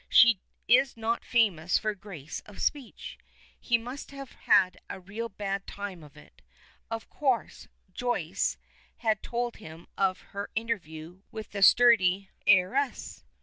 She is not famous for grace of speech. He must have had a real bad time of it. Of course, Joyce had told him of her interview with the sturdy heiress.